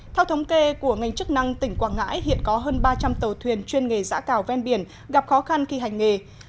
theo thống kê của ngành chức năng tỉnh quảng ngãi hiện có hơn ba trăm linh tàu thuyền chuyên nghề giã cào ven biển gặp khó khăn khi hành nghề